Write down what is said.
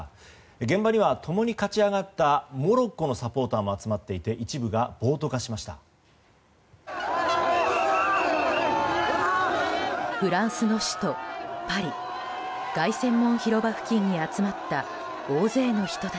現場には共に勝ち上がったモロッコのサポーターも集まっていて一部が暴徒化しました。